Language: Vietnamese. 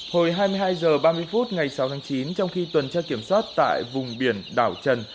hồi hai mươi hai h ba mươi phút ngày sáu tháng chín trong khi tuần tra kiểm soát tại vùng biển đảo trần